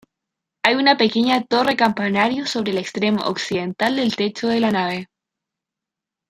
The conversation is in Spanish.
Hay una pequeña torre-campanario sobre el extremo occidental del techo de la nave.